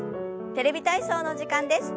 「テレビ体操」の時間です。